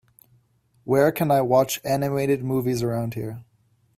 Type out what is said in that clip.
where can i watch animated movies around here